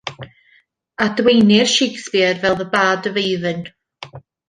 Adwaenir Shakespeare fel The bard of Avon.